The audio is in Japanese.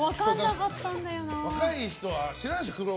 若い人は知らないでしょクロ